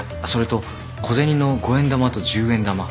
それと小銭の５円玉と１０円玉。